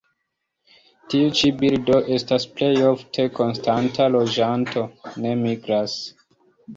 Tiu ĉi birdo estas plej ofte konstanta loĝanto; ne migras.